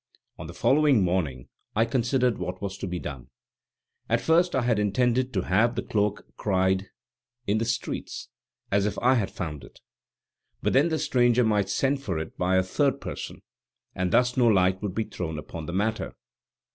On the following morning I considered what was to be done. At first I had intended to have the cloak cried in the streets, as if I had found it. But then the stranger might send for it by a third person, and thus no light would be thrown upon the matter.